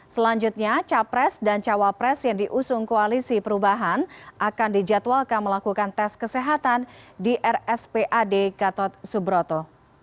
selanjutnya capres dan cawapres yang diusung koalisi perubahan akan dijadwalkan melakukan tes kesehatan di rspad gatot subroto